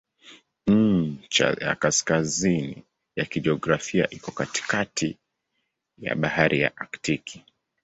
Ncha ya kaskazini ya kijiografia iko katikati ya Bahari ya Aktiki.